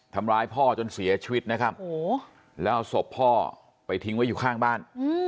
ทำร้ายพ่อจนเสียชีวิตนะครับแล้วเอาศพพ่อไปทิ้งไว้อยู่ข้างบ้าน